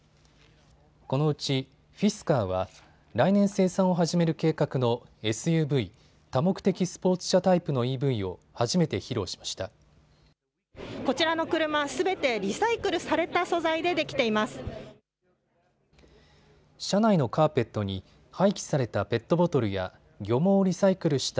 このうち、フィスカーは来年生産を始める計画のＳＵＶ・多目的スポーツ車タイプのＥＶを初めて披露しました。